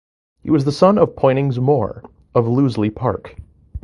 He was the son of Poynings More of Loseley Park.